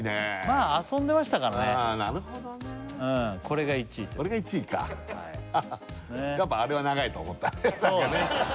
まあ遊んでましたからねなるほどねうんこれが１位これが１位かやっぱあれは長いと思ったそうね